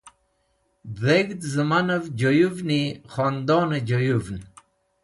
Dheg̃hd Zemanev Joyuvni Khondone Joyuvn